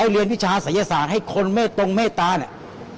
เรียนวิชาศัยศาสตร์ให้คนเมตตรงเมตตาเนี่ย